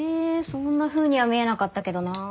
そんなふうには見えなかったけどなあ。